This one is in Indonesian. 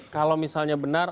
kalau misalnya benar